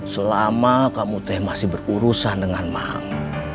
selama kamu masih berurusan dengan bang